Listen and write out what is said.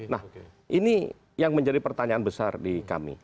nah ini yang menjadi pertanyaan besar di kami